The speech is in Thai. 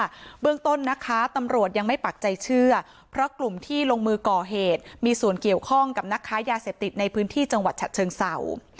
เบื้องต้นนะคะตำรวจยังไม่ปักใจเชื่อเพราะกลุ่มที่ลงมือก่อเหตุมีส่วนเกี่ยวข้องกับนักค้ายาเสพติดในพื้นที่จังหวัดฉะเชิงเศร้า